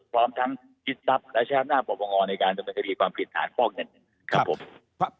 ความทำยิดทรัพย์และชาติหน้าประพงอในการดำเนินคดีความผิดฐานพ่อเงินครับผม